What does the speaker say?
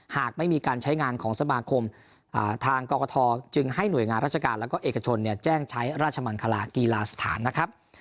หากไม่มีการใช้งานของสมาคมทางกรกฐจึงให้หน่วยงานราชการแล้วก็เอกชนแจ้งใช้ราชมังคลากีฬาสถานนะครับ